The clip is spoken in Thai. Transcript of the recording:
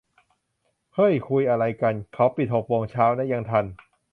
เฮ้ย คุยอะไรกัน ! เขาปิดหกโมงเช้านะ ยังทัน